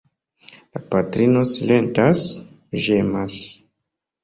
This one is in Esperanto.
La patrino silentas, ĝemas.